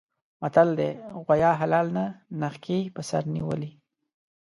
متل دی: غوایه حلال نه نښکي په سر نیولي.